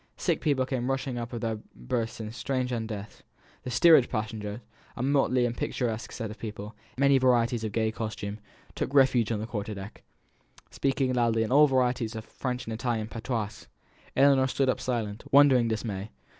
Sick people came rushing up out of their berths in strange undress; the steerage passengers a motley and picturesque set of people, in many varieties of gay costume took refuge on the quarter deck, speaking loudly in all varieties of French and Italian patois. Ellinor stood up in silent, wondering dismay.